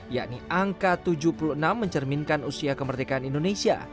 yakni angka tujuh puluh enam mencerminkan usia kemerdekaan indonesia